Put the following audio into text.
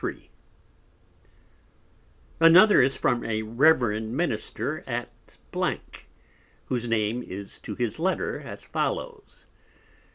_ Another is from a Reverend Minister at whose Name is to his Letter as follows.